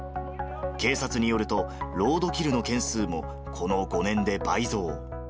警察によると、ロードキルの件数も、この５年で倍増。